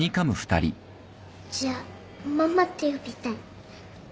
じゃママって呼びたい。